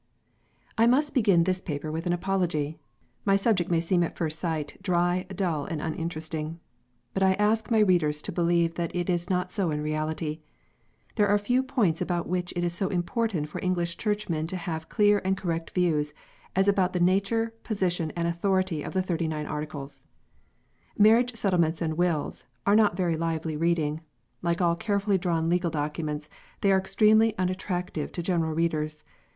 I MUST begin this paper with an apology. My subject may seem at first sight dry, dull, and uninteresting. But I ask my readers to believe that it is not so in reality. There are few points about which it is so important for English Churchmen to have clear and correct views, as about the nature, position, and authority of the Thirty nine Articles. Marriage settlements and wills are not very lively reading. Like all carefully drawn legal documents, they are extremely unattractive to general readers.